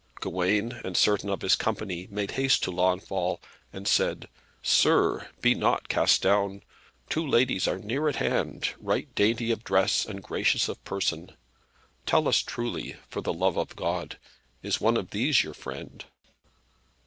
Gawain, and certain of his company, made haste to Launfal, and said, "Sir, be not cast down. Two ladies are near at hand, right dainty of dress, and gracious of person. Tell us truly, for the love of God, is one of these your friend?"